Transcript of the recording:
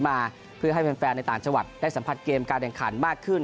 มาเพื่อให้แฟนในต่างจังหวัดได้สัมผัสเกมการแข่งขันมากขึ้น